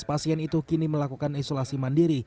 tujuh belas pasien itu kini melakukan isolasi mandiri